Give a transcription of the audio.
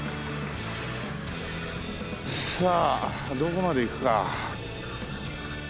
さあどこまで行くか。